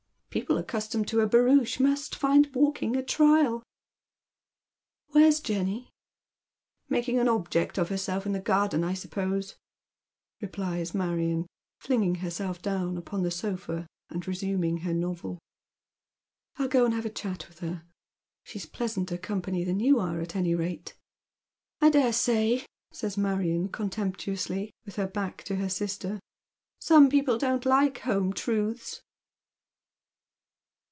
" People accustomed to a barouche must find walking a trial." " Where's Jenny ?"" Making an object of herself in the garden, I suppose," replies Marion, flinging herself down upon the sofa and resuming her novel. " I'll go and have a chat with her. She's pleasanter company than you are, at any rate." " I dare say," says Marion contemptuously, with her back to her sister. '' Some people don't like home truths."